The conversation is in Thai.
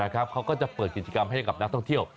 เขาก็จะเปิดกิจกรรมให้กับนักท่องเที่ยว